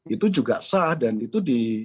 itu juga sah dan itu di